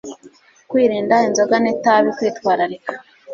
Kwirinda inzoga n'itabi, Kwitwararika